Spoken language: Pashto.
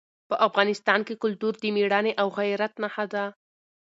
په افغانستان کې کلتور د مېړانې او غیرت نښه ده.